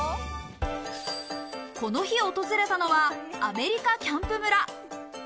この日、訪れたのはアメリカキャンプ村。